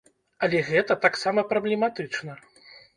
Але гэта таксама праблематычна.